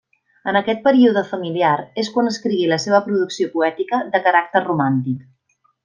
En aquest període familiar és quan escrigué la seva producció poètica de caràcter romàntic.